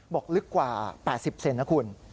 บอกลึกกว่า๘๐เซนติเมตรนะคุณ